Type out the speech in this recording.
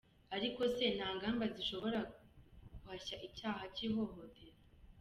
Ariko se nta ngamba zishobora guhashya icyaha cy’ihohotera? .